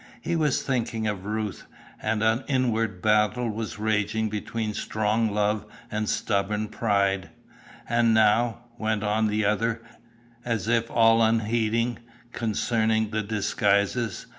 He was thinking of Ruth, and an inward battle was raging between strong love and stubborn pride. "And now," went on the other, as if all unheeding, "concerning the disguises.